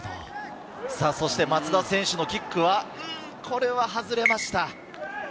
松田選手のキック、これは外れました。